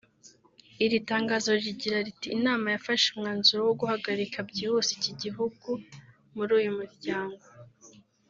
Iri tangazo rigira riti “Inama yafashe umwanzuro wo guhagarika byihuse iki gihugu muri uyu muryango”